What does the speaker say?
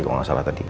kalau gak salah tadi